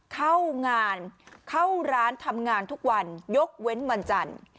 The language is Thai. เข้างานเข้าร้านทำงานทุกวันยกเว้นวันจันทร์